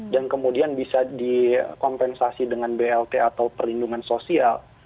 dan kemudian bisa dikompensasi dengan blt atau perlindungan sosial